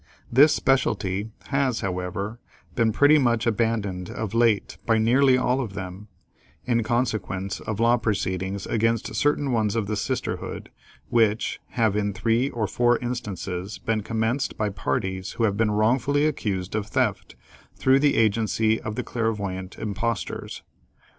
This specialty has however been pretty much abandoned of late by nearly all of them, in consequence of law proceedings against certain ones of the sisterhood, which have in three or four instances been commenced by parties who have been wrongfully accused of theft, through the agency of the clairvoyant impostors.